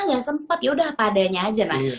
nggak sempet ya udah apa adanya aja nah